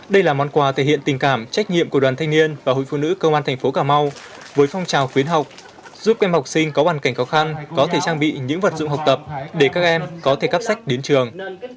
đây là món quà thể hiện tình cảm trách nhiệm của đoàn thanh niên và hội phụ nữ công an thành phố cà mau với phong trào khuyến học giúp các em học sinh có hoàn cảnh khó khăn có thể trang bị những vật dụng học tập để các em có thể cắp sách đến trường